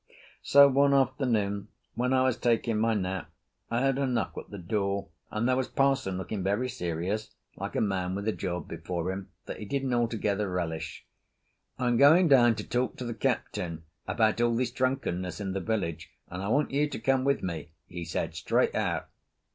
So one afternoon when I was taking my nap I heard a knock at the door, and there was parson looking very serious, like a man with a job before him that he didn't altogether relish. "I'm going down to talk to the Captain about all this drunkenness in the village, and I want you to come with me," he said straight out.